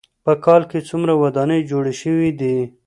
په کال کې څومره ودانۍ جوړې شوې دي.